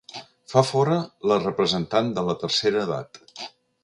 Fa fora la representant de la tercera edat.